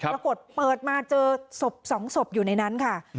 ปรากฏเปิดมาเจอศพ๒ศพอยู่ในนั้นค่ะ